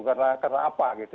karena apa gitu